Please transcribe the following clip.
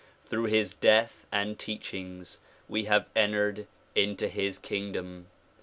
Through his death and teachings we have entered into his king dom.